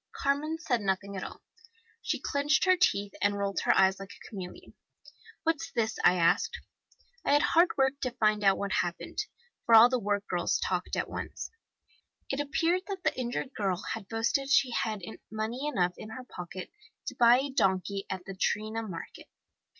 Carmen said nothing at all. She clinched her teeth and rolled her eyes like a chameleon. 'What's this?' I asked. I had hard work to find out what had happened, for all the work girls talked at once. It appeared that the injured girl had boasted she had money enough in her pocket to buy a donkey at the Triana Market.